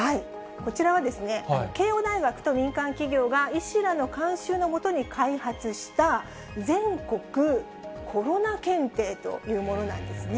こちらは慶応大学と民間企業が医師らの監修の下に開発した、全国コロナ検定というものなんですね。